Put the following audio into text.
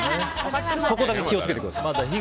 そこだけ気を付けてください。